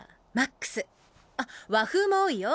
あっ和風も多いよ。